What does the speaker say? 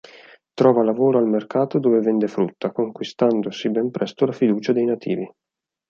Trova lavoro al mercato dove vende frutta, conquistandosi ben presto la fiducia dei nativi.